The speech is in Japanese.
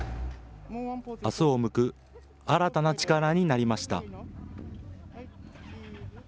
あすを向く新たな力になりました。